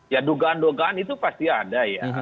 ya dugaan dugaan itu pasti ada ya